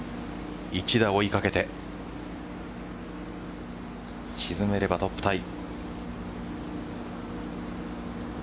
１打追いかけて沈めれば、トップタイ。